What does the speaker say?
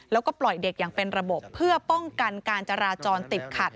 แล้วก็ปล่อยเด็กอย่างเป็นระบบเพื่อป้องกันการจราจรติดขัด